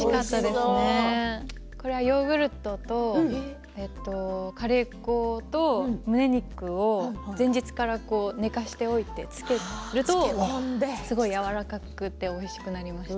これはヨーグルトとカレー粉とむね肉を前日から寝かせておいて漬けるとすごくやわらかくなります。